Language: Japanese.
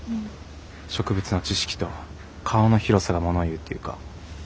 植物の知識と顔の広さがものをいうっていうか。